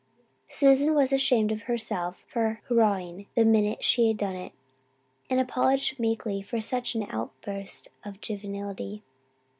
Susan was ashamed of herself for hurrahing the minute she had done it, and apologized meekly for such an outburst of juvenility.